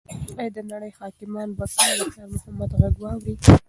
ایا د نړۍ حاکمان به کله د خیر محمد غږ واوري؟